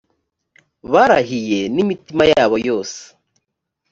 barahiye n’imitima yabo yose